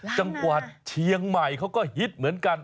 จังหวัดเชียงใหม่เขาก็ฮิตเหมือนกัน